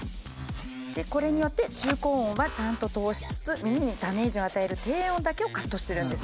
これによって中高音はちゃんと通しつつ耳にダメージを与える低音だけをカットしてるんですね。